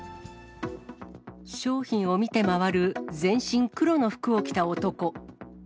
商品を見て回る全身黒の服を着た男。